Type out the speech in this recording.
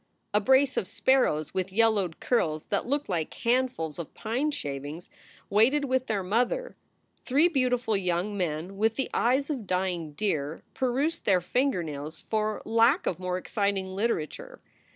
A brace of sparrows with yellowed curls that looked like handfuls of pine shavings waited with their SOULS FOR SALE 209 mother. Three beautiful young men with the eyes of dying deer perused their finger nails for lack of more exciting literature.